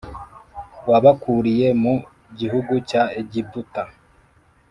wabakuriye mu gihugu cya Egiputa